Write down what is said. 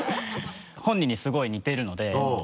本人にすごい似てるので。